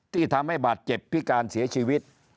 ที่ทำให้บาดเจ็บพิการเสียชีวิต